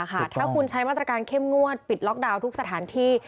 ถ้าคุณใช้มาตรการเข้มงวดปิดล็อกดาวน์ทุกสถานที่